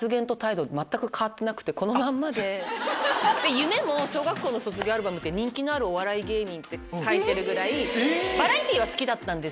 夢も小学校の卒業アルバムに人気のあるお笑い芸人って書いてるぐらいバラエティーは好きだったんです。